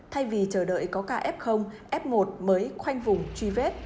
thay vì chờ đợi có ca f f một mới khoanh vùng truy vết